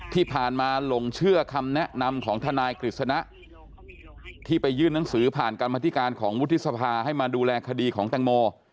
ที่ผ่านมาหลงเชื่อคำแนะนำของทนายกฤษณะที่ไปยื่นหนังสือผ่านกรรมธิการของวุฒิสภาให้มาดูแลคดีของแตงโม